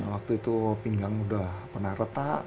waktu itu pinggang sudah pernah retak